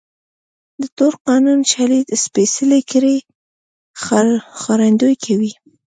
د تور قانون شالید سپېڅلې کړۍ ښکارندويي کوي.